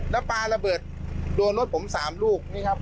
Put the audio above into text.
แล้วปลาระเบิดโดนรถผม๓ลูกนี่ครับ